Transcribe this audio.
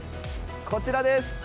こちらです。